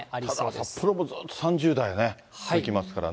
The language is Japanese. ただ札幌もずっと３０台続きますからね。